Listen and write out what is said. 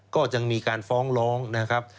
ก็ยังมีการฟ้องร้องนะครับ